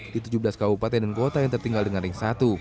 di tujuh belas kabupaten dan kota yang tertinggal dengan ring satu